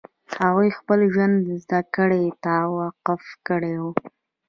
هغو خپل ژوند زدکړې ته وقف کړی و